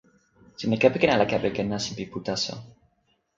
sina kepeken ala kepeken nasin pi pu taso?